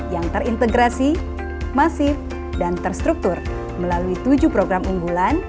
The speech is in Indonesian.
yang terintegrasi masif dan terstruktur melalui tujuh program unggulan